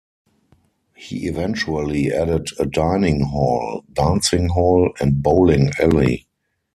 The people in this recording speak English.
He eventually added a dining hall, dancing hall, and bowling alley.